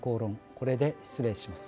これで失礼します。